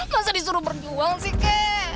masa disuruh berjuang sih kak